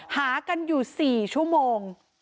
หากันอยู่๔ชั่วโมง